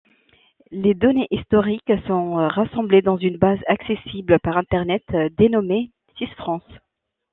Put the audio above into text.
Les données historiques sont rassemblées dans une base accessible par Internet, dénommée Sisfrance.